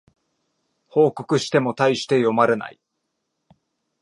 報告してもたいして読まれない